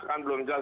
kan belum jelas